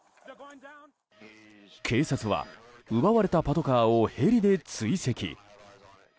警察は奪われたパトカーをヘリで追跡。